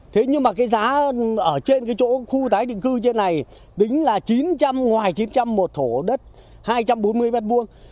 thế nhưng mà cái giá ở trên cái chỗ khu tái định cư trên này tính là chín trăm linh ngoài chín trăm linh một thổ đất hai trăm bốn mươi mét vuông